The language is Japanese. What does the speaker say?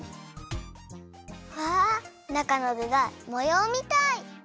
わあっなかのぐがもようみたい！